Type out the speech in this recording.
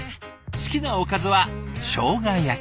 好きなおかずはしょうが焼き。